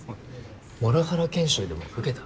モラハラ研修でも受けた？